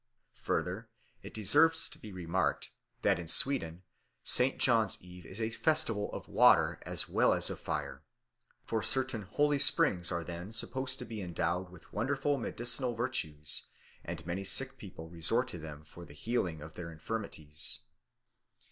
Further, it deserves to be remarked that in Sweden St. John's Eve is a festival of water as well as of fire; for certain holy springs are then supposed to be endowed with wonderful medicinal virtues, and many sick people resort to them for the healing of their infirmities.